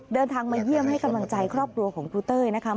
เดินทางมาเยี่ยมให้กำลังใจครอบครัวของครูเต้ยนะคะ